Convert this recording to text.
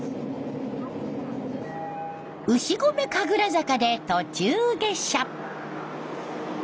牛込神楽坂で途中下車。